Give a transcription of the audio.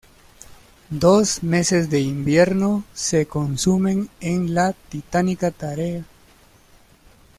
Dos meses de invierno se consumen en la titánica tarea.